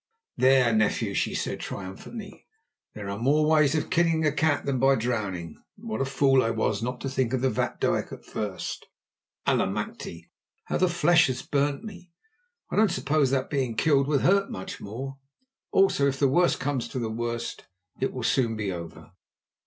"There, nephew," she said triumphantly, "there are more ways of killing a cat than by drowning. What a fool I was not to think of the vatdoek at first. Allemachte! how the flesh has burnt me; I don't suppose that being killed would hurt much more. Also, if the worst comes to the worst, it will soon be over.